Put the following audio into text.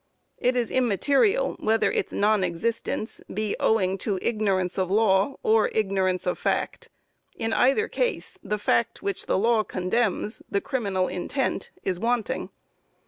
It is immaterial whether its non existence be owing to ignorance of law or ignorance of fact, in either case the fact which the law condemns, the criminal intent, is wanting.